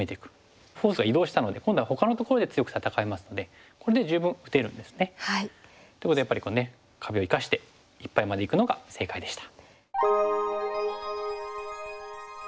フォースが移動したので今度はほかのところで強く戦えますのでこれで十分打てるんですね。ということでやっぱり壁を生かしていっぱいまでいくのが正解でした。